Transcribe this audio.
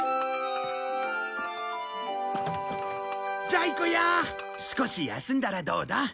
ジャイ子や少し休んだらどうだ？